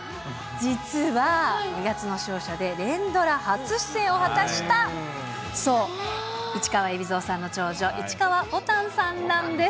実は、二月の勝者で連ドラ初出演を果たした、そう、市川海老蔵さんの長女、市川ぼたんさんなんです。